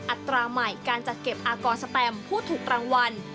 อัตราใหม่การจัดเก็บอากรสแตมผู้ถูกรางวัล